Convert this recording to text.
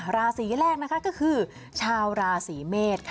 ราศีแรกนะคะก็คือชาวราศีเมษค่ะ